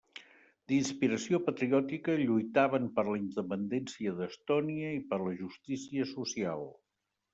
D'inspiració patriòtica, lluitaven per la independència d'Estònia i per la justícia social.